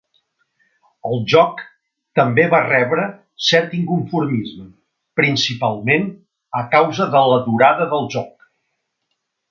El joc també va rebre cert inconformisme, principalment a causa de la durada del joc.